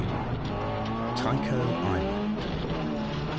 TYCHO ISLAND.